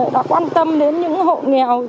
đã quan tâm đến những hộ nghèo